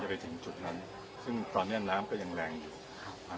จะไปถึงจุดนั้นซึ่งตอนเนี้ยน้ำก็ยังแรงครับ